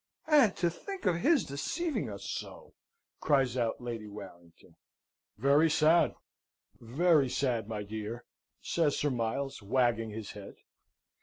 "And to think of his deceiving us so!" cries out Lady Warrington. "Very sad, very sad, my dear!" says Sir Miles, wagging his head.